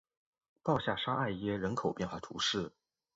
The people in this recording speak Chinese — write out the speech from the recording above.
鲍下沙艾耶人口变化图示